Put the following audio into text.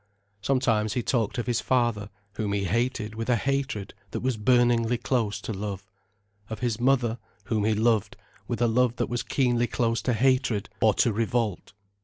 Sometimes, he talked of his father, whom he hated with a hatred that was burningly close to love, of his mother, whom he loved, with a love that was keenly close to hatred, or to revolt.